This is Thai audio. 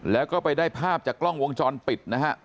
แล้วก็ไปได้ภาพจากกล้องวงจรปิดนะฮะ